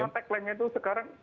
karena tagline nya itu sekarang